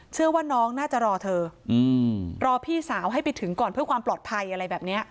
เชื่อว่าน้องน่าจะรอเธอรอพี่สาวให้ไปถึงก่อนเพื่อความปลอดภัยอะไรแบบนี้